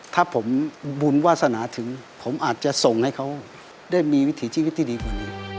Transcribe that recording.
ถ้าผมบุญวาสนาถึงผมอาจจะส่งให้เขาได้มีวิถีชีวิตที่ดีกว่านี้